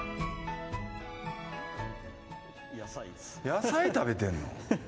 野菜食べてるの？